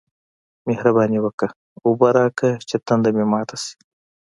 مهرباني وکه! اوبه راکه چې تنده مې ماته شي